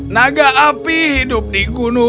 naga api hidup di gunung